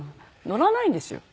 乗らないんですよ。